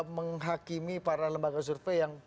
menghakimi para lembaga survei yang